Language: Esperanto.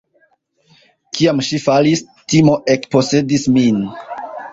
Kiam ŝi falis, timo ekposedis min.